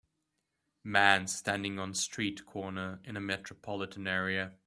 man standing on street corner in a metropolitan area.